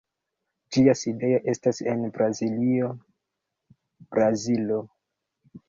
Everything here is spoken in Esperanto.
Ĝia sidejo estas en Braziljo, Brazilo.